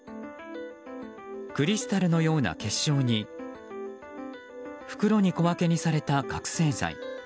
クリスタルのような結晶に袋に小分けにされた覚醒剤。